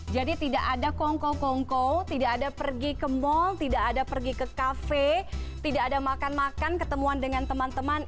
jadi tidak ada kongkow kongkow tidak ada pergi ke mal tidak ada pergi ke kafe tidak ada makan makan ketemuan dengan teman teman